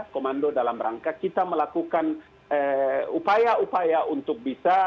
komando dalam rangka kita melakukan upaya upaya untuk bisa